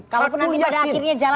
kalau pada akhirnya jalan masing masing